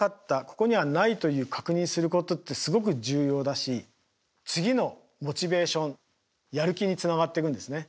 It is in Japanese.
ここにはないという確認することってすごく重要だし次のモチベーションやる気につながっていくんですね。